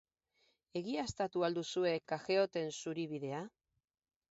Egiaztatu al duzue Cageoten zuribidea?